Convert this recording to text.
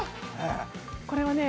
これはね